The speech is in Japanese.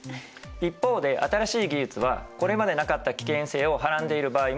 一方で新しい技術はこれまでなかった危険性をはらんでいる場合もあります。